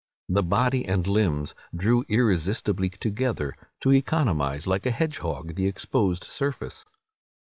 The body and limbs drew irresistibly together, to economize, like a hedge hog, the exposed surface.